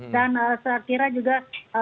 dan saya kira juga